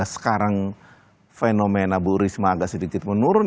sekarang fenomena bu risma agak sedikit menurun